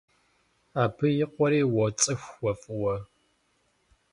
Абы и къуэри уоцӏыху уэ фӏыуэ.